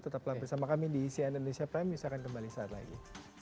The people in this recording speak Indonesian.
tetaplah bersama kami di cnn indonesia prime news akan kembali saat lagi